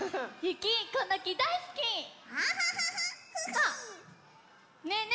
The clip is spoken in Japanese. あっねえね